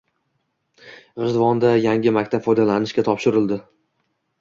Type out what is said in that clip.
G‘ijduvonda yangi maktab foydalanishga topshirildi